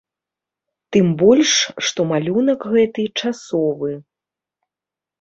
Тым больш, што малюнак гэты часовы.